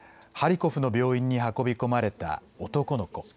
ハリコフの病院に運び込まれた男の子。